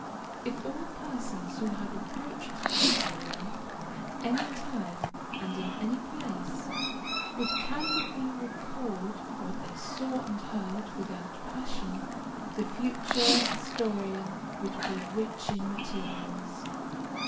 If all persons who have approached Napoleon, at any time and in any place, would candidly record what they saw and heard, without passion, the future historian would be rich in materials.